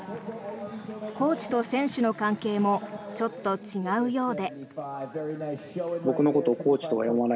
コーチと選手の関係もちょっと違うようで。